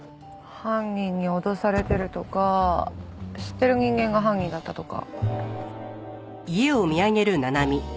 犯人に脅されてるとか知ってる人間が犯人だったとか。